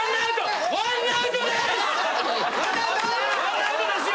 ・１アウトですよ！